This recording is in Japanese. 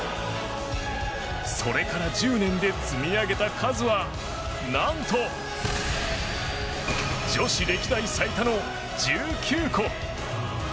それから１０年で積み上げた数は何と、女子歴代最多の１９個。